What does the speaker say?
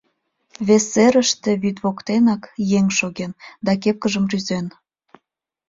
Вес серыште вӱд воктенак еҥ шоген да кепкыжым рӱзен.